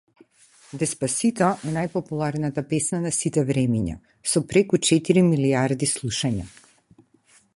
Деспасито е најпопуларната песна на сите времиња, со преку четири милијарди слушања.